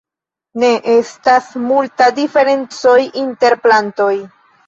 Ne estas multa diferencoj inter plantoj.